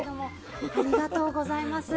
ありがとうございます。